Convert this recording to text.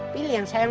pilih yang sempurna